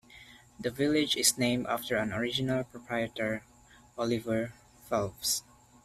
The village is named after an original proprietor, Oliver Phelps.